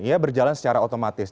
ia berjalan secara otomatis